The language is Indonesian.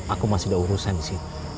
aku masih ada urusan disini